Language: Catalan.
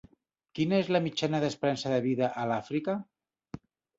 Quina és la mitjana d'esperança de vida a l'Àfrica?